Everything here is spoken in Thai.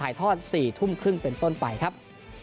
ทอด๔ทุ่มครึ่งเป็นต้นไปครับ